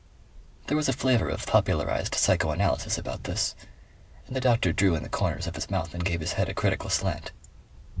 There was a flavour of popularized psychoanalysis about this, and the doctor drew in the corners of his mouth and gave his head a critical slant.